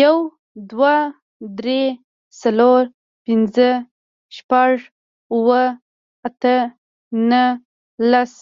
یو, دوه, درې, څلور, پنځه, شپږ, اووه, اته, نه, لس